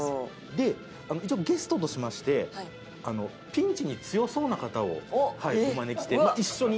で一応ゲストとしましてピンチに強そうな方をお招きして一緒に。